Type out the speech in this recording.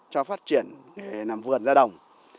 cho phát triển để làm vườn ra đồng